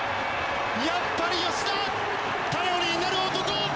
やっぱり吉田頼りになる男！